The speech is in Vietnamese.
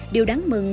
điều đáng mừng